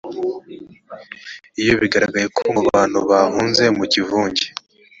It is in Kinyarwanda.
iyo bigaragaye ko mu bantu bahunze mu kivunge